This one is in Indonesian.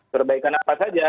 perbaikan apa saja